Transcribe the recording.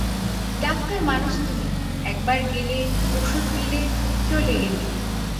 Doctor মানুষ তুমি, একবার গেলে, ওষুধ দিলে, চলে এলে।